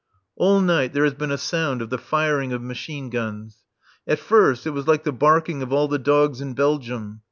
All night there has been a sound of the firing of machine guns [?]. At first it was like the barking, of all the dogs in Belgium.